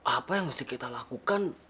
apa yang mesti kita lakukan